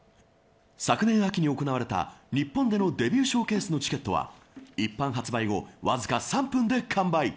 昨年秋に行われた日本でのデビューショーケースのチケットは一般発売後、わずか３分で完売。